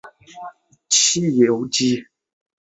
主要用途为汽油机的燃料。